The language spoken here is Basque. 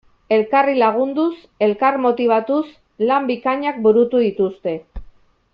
Elkarri lagunduz, elkar motibatuz, lan bikainak burutu dituzte.